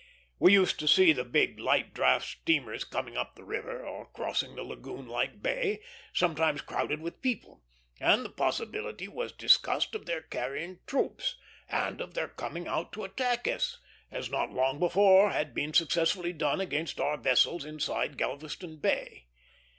We used to see the big, light draught steamers coming up the river, or crossing the lagoon like bay, sometimes crowded with people; and the possibility was discussed of their carrying troops, and of their coming out to attack us, as not long before had been successfully done against our vessels inside Galveston Bay.